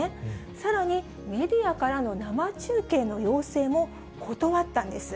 さらに、メディアからの生中継の要請も断ったんです。